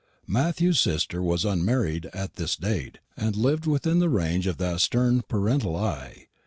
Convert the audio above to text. Matthew's sister was unmarried at this date, and lived within the range of that stern paternal eye.